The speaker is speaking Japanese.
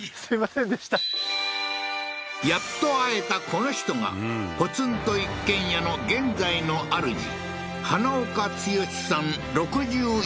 こんにちはやっと会えたこの人がポツンと一軒家の現在のあるじ